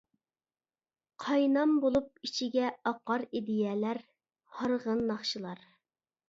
قاينام بولۇپ ئىچىگە ئاقار ئىدىيەلەر، ھارغىن ناخشىلار.